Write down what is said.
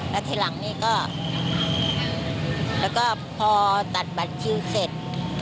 แล้วทีหลังนี้ก็แล้วก็พอตัดบัตรคิวเสร็จ